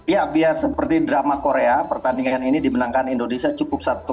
ya biar seperti drama korea pertandingan ini dimenangkan indonesia cukup satu